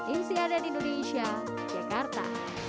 insia dan indonesia jakarta